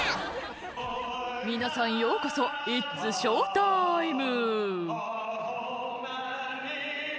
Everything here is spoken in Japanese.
「皆さんようこそイッツショータイム」